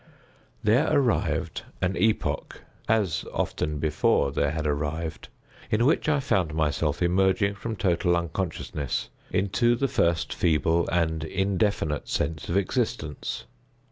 There arrived an epoch—as often before there had arrived—in which I found myself emerging from total unconsciousness into the first feeble and indefinite sense of existence.